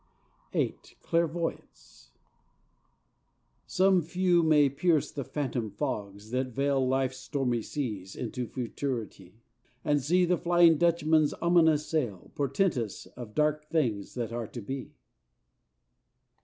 VIII Clairvoyance Some few may pierce the phantom fogs, that veil Life's stormy seas, into futurity, And see the Flying Dutchman's ominous sail, Portentous of dark things that are to be.